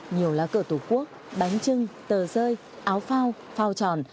nhiều lá cờ tổ quốc bánh trưng tờ rơi áo phao phao tròn